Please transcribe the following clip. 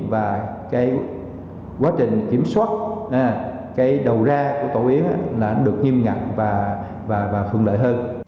và quá trình kiểm soát đầu ra của tổ yến được nghiêm ngặt và phương lợi hơn